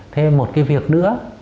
thêm một cái việc nữa